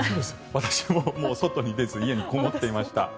私も外に出ず家にこもっていました。